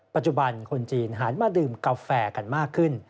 ปัจจุบันคนจีนหันมาดื่มกาแฟกันมากขึ้น